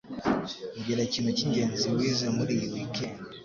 Mbwira ikintu cyingenzi wize muri iyi weekend.